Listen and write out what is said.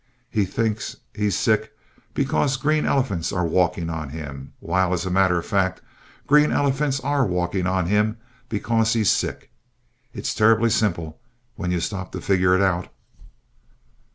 He thinks he's sick because green elephants are walking on him, while, as a matter of fact, green elephants are walking on him because he's sick. It's terribly simple, when you stop to figure it out.